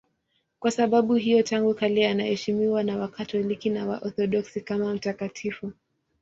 Kwa sababu hiyo tangu kale anaheshimiwa na Wakatoliki na Waorthodoksi kama mtakatifu.